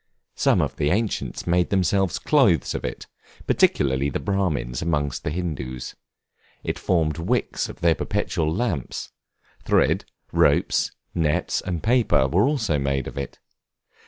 Some of the ancients made themselves clothes of it, particularly the Brahmins among the Hindoos; it formed wicks for their perpetual lamps; thread, ropes, nets, and paper were also made of it.